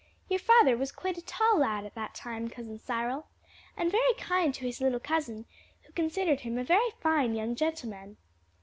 Your father was quite a tall lad at that time, Cousin Cyril, and very kind to his little cousin, who considered him a very fine young gentleman."